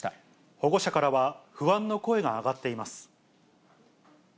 保護者からは不安の声が上がっています。